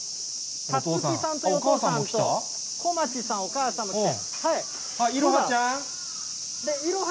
さつきさんというお父さんと、こまちさん、お母さんですね。